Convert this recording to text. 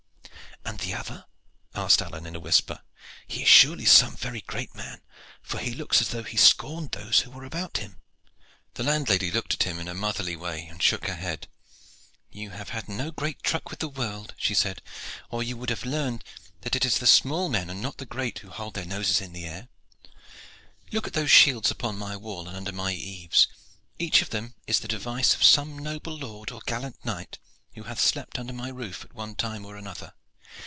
"And the other?" asked Alleyne in a whisper. "He is surely some very great man, for he looks as though he scorned those who were about him." The landlady looked at him in a motherly way and shook her head. "You have had no great truck with the world," she said, "or you would have learned that it is the small men and not the great who hold their noses in the air. Look at those shields upon my wall and under my eaves. Each of them is the device of some noble lord or gallant knight who hath slept under my roof at one time or another.